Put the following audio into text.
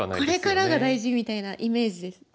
これからが大事みたいなイメージです。